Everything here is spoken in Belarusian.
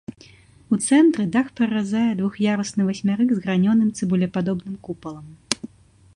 У цэнтры дах праразае двух'ярусны васьмярык з гранёным цыбулепадобным купалам.